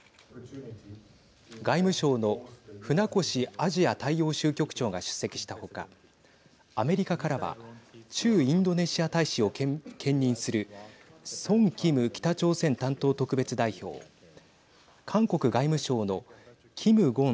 外務省の船越アジア大洋州局長が出席した他、アメリカからは駐インドネシア大使を兼任するソン・キム北朝鮮担当特別代表韓国外務省のキム・ゴン